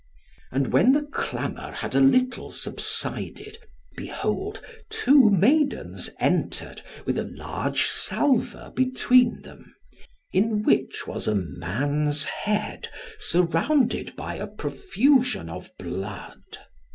And when the clamour had a little subsided, behold two maidens entered, with a large salver between them, in which was a man's head, surrounded by a profusion of blood.